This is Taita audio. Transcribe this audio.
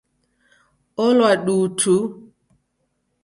Olwa duu tu.